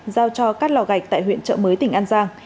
giao cho các lò gạch tại huyện trợ mới tỉnh an giang